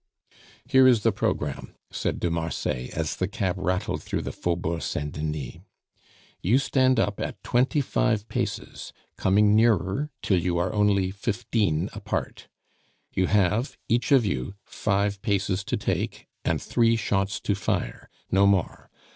"Here is the programme," said de Marsay, as the cab rattled through the Faubourg Saint Denis: "You stand up at twenty five paces, coming nearer, till you are only fifteen apart. You have, each of you, five paces to take and three shots to fire no more.